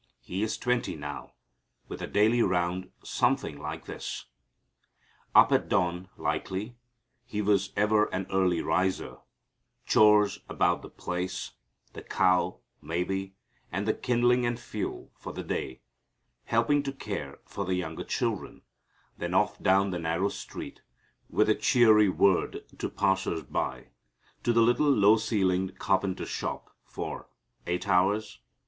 He is twenty now, with a daily round something like this: up at dawn likely He was ever an early riser chores about the place, the cow, maybe, and the kindling and fuel for the day, helping to care for the younger children, then off down the narrow street, with a cheery word to passers by, to the little low ceilinged carpenter shop, for eight hours?